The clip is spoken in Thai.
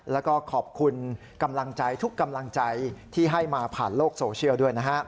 แล้วก็ขอบคุณกำลังใจทุกกำลังใจที่ให้มาผ่านโลกโซเชียลด้วยนะฮะ